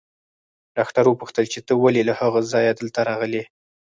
ډاکټر وپوښتل چې ته ولې له هغه ځايه دلته راغلې.